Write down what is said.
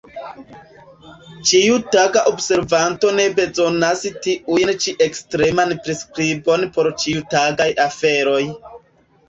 Ĉiutaga observanto ne bezonas tiun ĉi ekstreman priskribon por ĉiutagaj aferoj.